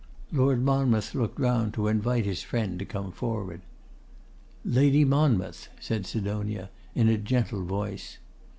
Lord Monmouth looked round to invite his friend to come forward. 'Lady Monmouth!' said Sidonia, in a gentle voice.